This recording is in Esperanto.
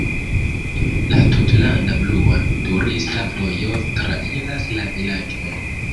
La "Tutlanda "blua" turista vojo" trairas la vilaĝon.